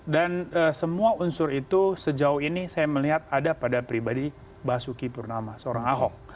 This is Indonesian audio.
dan semua unsur itu sejauh ini saya melihat ada pada pribadi basuki purnama seorang ahok